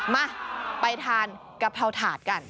มาไปทานกะเพราถาดกัน